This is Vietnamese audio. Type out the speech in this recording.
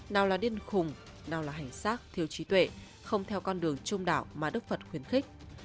nào là điên khủng nào là hành xác thiếu trí tuệ không theo con đường trung đạo mà đức phật khuyến khích